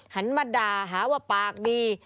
หันมาด่าหาว่าปากดี